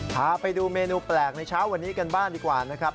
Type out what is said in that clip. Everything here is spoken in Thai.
พาไปดูเมนูแปลกในเช้าวันนี้กันบ้างดีกว่านะครับ